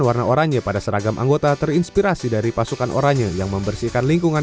warna oranye pada seragam anggota terinspirasi dari pasukan oranye yang membersihkan lingkungan